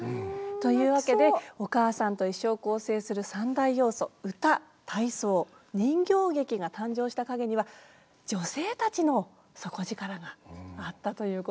というわけで「おかあさんといっしょ」を構成する三大要素歌体操人形劇が誕生した陰には女性たちの底力があったということなんですよね。